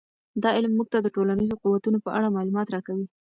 دا علم موږ ته د ټولنیزو قوتونو په اړه معلومات راکوي.